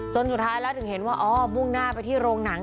สุดท้ายแล้วถึงเห็นว่าอ๋อมุ่งหน้าไปที่โรงหนัง